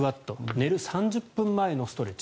寝る３０分前のストレッチ。